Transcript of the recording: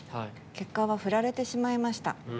結果は振られてしまいました。